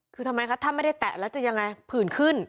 คือทำไมคะถ้าไม่ได้แตะแล้วจะยังไงผื่นขึ้น